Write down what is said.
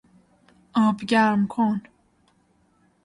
آب گرم کن